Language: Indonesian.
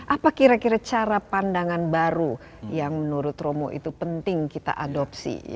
apa kira kira cara pandangan baru yang menurut romo itu penting kita adopsi